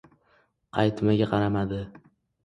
Qaytimiga qaramadi..